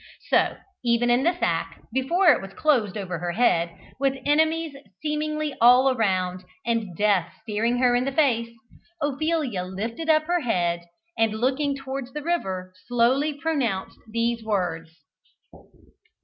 So, even in the sack, before it was closed over her head, with enemies seemingly all around, and death staring her in the face, Ophelia lifted up her head and looking towards the river, slowly pronounced these words.